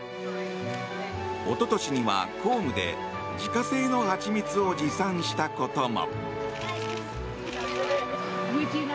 一昨年には、公務で自家製のハチミツを持参したことも。